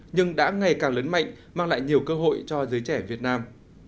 nhưng đã ngày càng lớn mạnh mang lại nhiều cơ hội cho giới trẻ việt nam